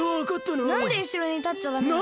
なんでうしろにたっちゃダメなの？